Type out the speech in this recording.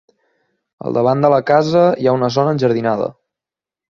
Al davant de la casa hi ha una zona enjardinada.